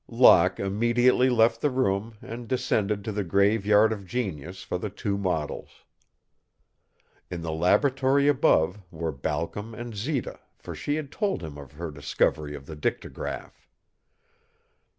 Locke immediately left the room and descended to the Graveyard of Genius for the two models. In the laboratory above were Balcom and Zita, for she had told him of her discovery of the dictagraph.